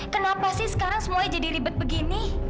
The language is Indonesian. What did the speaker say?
kenapa sih sekarang semuanya jadi ribet begini